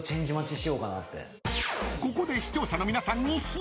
［ここで視聴者の皆さんに］